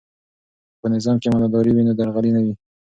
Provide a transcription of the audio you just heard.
که په نظام کې امانتداري وي نو درغلي نه وي.